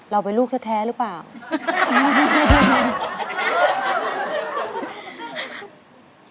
เราเป็นลูกสาท้ายหรือบ้าง